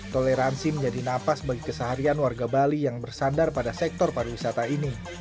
toleransi menjadi napas bagi keseharian warga bali yang bersandar pada sektor pariwisata ini